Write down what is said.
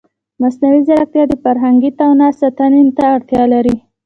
مصنوعي ځیرکتیا د فرهنګي تنوع ساتنې ته اړتیا لري.